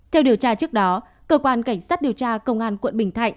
theo điều tra trước đó cơ quan cảnh sát điều tra công an quận bình thạnh